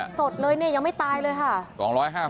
โอ้โหแล้วกุ้งสดเลยเนี่ยยังไม่ตายเลยค่ะ